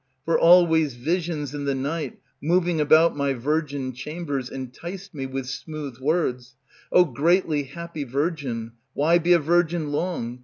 For always visions in the night, moving about My virgin chambers, enticed me With smooth words: "O greatly happy virgin, Why be a virgin long?